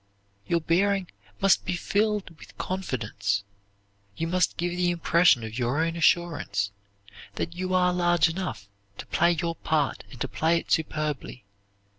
Your bearing must be filled with confidence. You must give the impression of your own assurance, that you are large enough to play your part and to play it superbly.